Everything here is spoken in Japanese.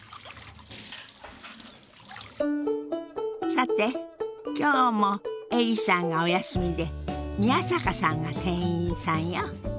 さて今日もエリさんがお休みで宮坂さんが店員さんよ。